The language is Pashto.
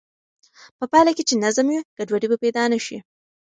په پایله کې چې نظم وي، ګډوډي به پیدا نه شي.